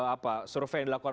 apa survei yang dilakukan